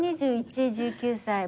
次２１１９歳。